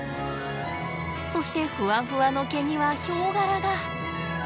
そしてふわふわの毛にはヒョウ柄が！